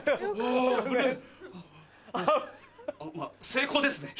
成功ですね。